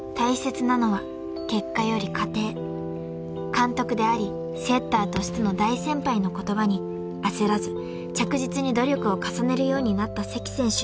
［監督でありセッターとしての大先輩の言葉に焦らず着実に努力を重ねるようになった関選手］